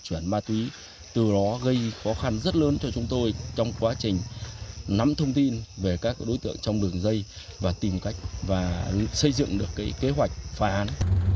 chuyển ma túy từ đó gây khó khăn rất lớn cho chúng tôi trong quá trình nắm thông tin về các đối tượng trong đường dây và tìm cách và xây dựng được kế hoạch phá án